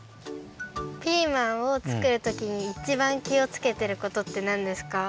ピーマンをつくるときにいちばんきをつけてることってなんですか？